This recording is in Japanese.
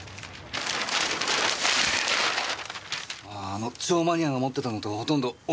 あーあの蝶マニアが持ってたのとほとんど同じですね。